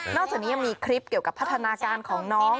จากนี้ยังมีคลิปเกี่ยวกับพัฒนาการของน้อง